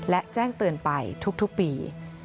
และแจ้งเตือนไปทุกปี